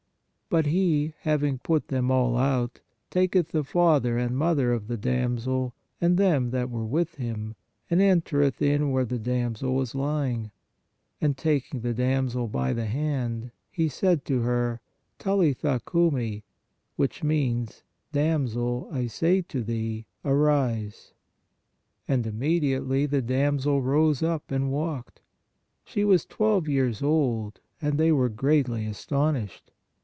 But He, having put them all out, taketh the father and mother of the damsel and them that were with Him, and entereth in where the damsel 96 PRAYER was lying. And taking the damsel by the hand, He said to her : Talitha cuml, which means : damsel, (I say to thee) arise. And immediately the damsel rose up and walked; she was twelve years old; and they were greatly astonished.